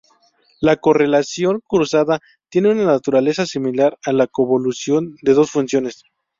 La correlación cruzada tiene una naturaleza similar a la convolución de dos funciones.